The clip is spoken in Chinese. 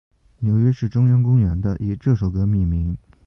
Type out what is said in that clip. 纽约市中央公园的以这首歌命名。